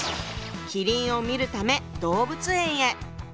麒麟を見るため動物園へ。